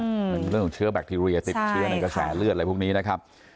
เหมือนเรื่องของเชื้อแบคทีเรียติดเชื้อในกระแสเลือดอะไรพวกนี้นะครับ